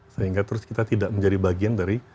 sehingga terus kita tidak menjadi bagian dari